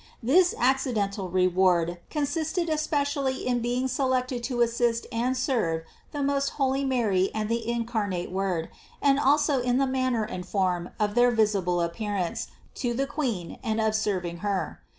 This accidental reward consisted especially in being selected to assist and serve the most holy Mary and the incarnate Word, and also in the manner and form of their visible appearance to the Queen and of serving Her.